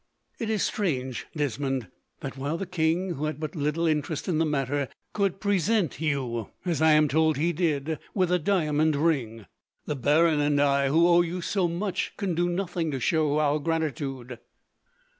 "It is strange, Desmond, that while the king, who had but little interest in the matter, could present you, as I am told he did, with a diamond ring, the baron and I, who owe you so much, can do nothing to show our gratitude."